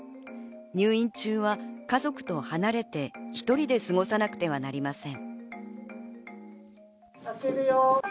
入院中は家族と離れて一人で過ごさなくてはなりません。